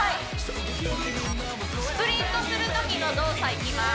スプリントするときの動作いきます